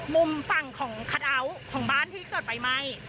มุมฝั่งของคาดาวของบ้านที่เกิดไฟไหม้